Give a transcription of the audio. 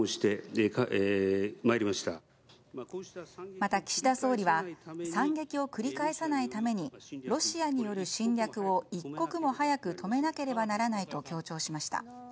また、岸田総理は惨劇を繰り返さないためにロシアによる侵略を一刻も早く止めなければならないと強調しました。